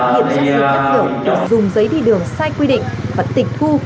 được dùng giấy đi đường sai quy định và tịch thu